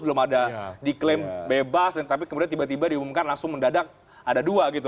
belum ada diklaim bebas tapi kemudian tiba tiba diumumkan langsung mendadak ada dua gitu